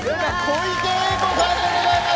小池栄子さんでございます。